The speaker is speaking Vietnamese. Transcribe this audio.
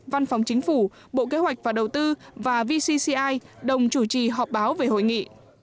văn phòng chính phủ bộ kế hoạch và đầu tư và vcci đồng chủ trì họp báo về hội nghị